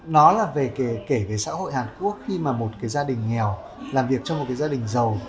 nó là kể về xã hội hàn quốc khi mà một cái gia đình nghèo làm việc trong một cái gia đình giàu